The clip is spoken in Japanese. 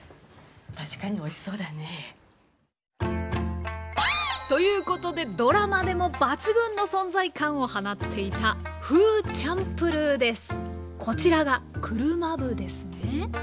確かにおいしそうだね。ということでドラマでも抜群の存在感を放っていたこちらが車麩ですね。